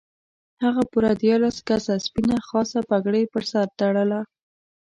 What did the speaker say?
هغه پوره دیارلس ګزه سپینه خاصه پګړۍ پر سر تړله.